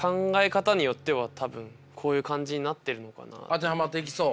当てはまっていきそう？